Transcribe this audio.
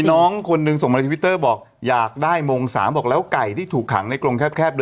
น้องคนหนึ่งส่งมาในทวิตเตอร์บอกอยากได้มง๓บอกแล้วไก่ที่ถูกขังในกรงแคบ